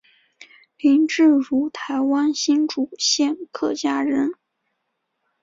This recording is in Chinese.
林志儒台湾新竹县客家人。